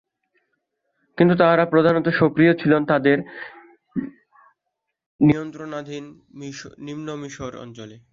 কিন্তু তাঁরা প্রধানত সক্রিয় ছিলেন তাঁদের নিয়ন্ত্রণাধীন নিম্ন মিশর অঞ্চলে।